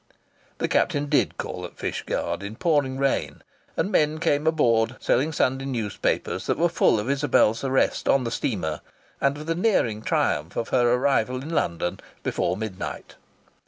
The captain did call at Fishguard, in pouring rain, and men came aboard selling Sunday newspapers that were full of Isabel's arrest on the steamer, and of the nearing triumph of her arrival in London before midnight.